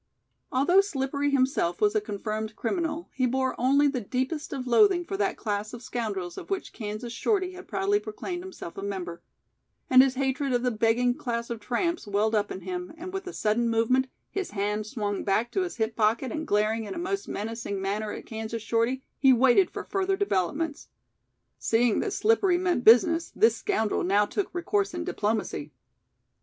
Although Slippery himself was a confirmed criminal, he bore only the deepest of loathing for that class of scoundrels of which Kansas Shorty had proudly proclaimed himself a member, and his hatred of the begging class of tramps welled up in him and with a sudden movement his hand swung back to his hip pocket and glaring in a most menacing manner at Kansas Shorty he waited for further developments. Seeing that Slippery meant business, this scoundrel now took recourse in diplomacy.